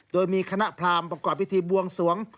โดยมีคณะพรามประกอบพิธีบวงสวง